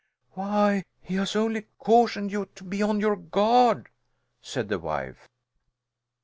"Why he has only cautioned you to be on your guard," said the wife.